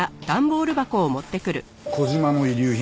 小島の遺留品。